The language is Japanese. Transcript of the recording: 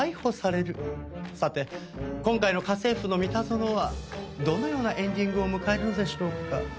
さて今回の『家政夫のミタゾノ』はどのようなエンディングを迎えるのでしょうか。